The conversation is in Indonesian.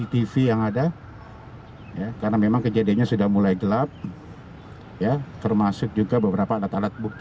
terima kasih yang ada ya karena memang kejadiannya sudah mulai gelap ya termasuk juga beberapa alat alat bukti